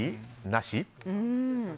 なし？